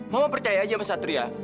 mama percaya aja mas satria